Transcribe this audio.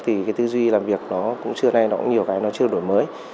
thì tư duy làm việc nó cũng chưa đổi mới